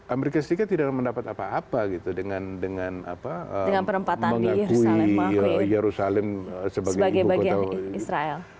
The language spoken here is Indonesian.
amerika serikat tidak mendapat apa apa dengan mengakui yerusalem sebagai bagian israel